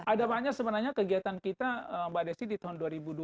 ada banyak sebenarnya kegiatan kita mbak desi di tahun dua ribu dua puluh